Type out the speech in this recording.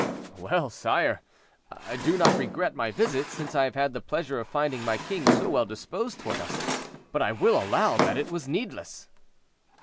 "Well, sire, I do not regret my visit, since I have had the pleasure of finding my king so well disposed toward us; but I will allow that it was needless."